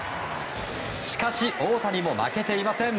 しかし、大谷も負けていません。